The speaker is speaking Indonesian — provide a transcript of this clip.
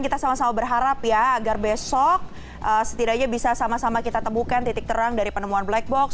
kita sama sama berharap ya agar besok setidaknya bisa sama sama kita temukan titik terang dari penemuan black box